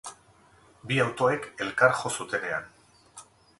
Bi autoek elkar jo zutenean.